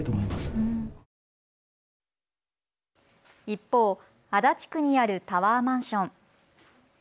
一方、足立区にあるタワーマンション。